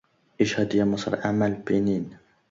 اشهدي يا مصر أعمال البنين